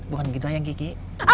bukan gitu yang kiki